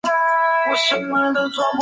乾隆四十五年登庚子恩科进士。